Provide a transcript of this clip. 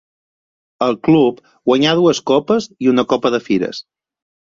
Al club guanyà dues Copes i una Copa de Fires.